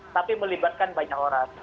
tapi melibatkan banyak orang